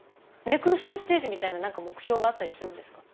ネクストステージみたいな何か目標があったりするんですか？